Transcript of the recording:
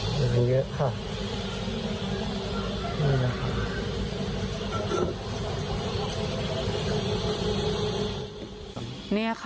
เหลือเยอะค่ะนี่นะคะ